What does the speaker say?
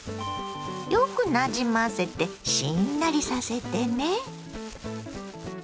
よくなじませてしんなりさせてね。